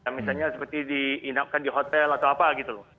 misalnya seperti diinapkan di hotel atau apa gitu loh